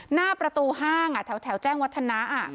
หน้าประตูห้างแถวแจ้งวัฒนะ